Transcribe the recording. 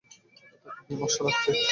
তাকে বিমর্ষ লাগছে।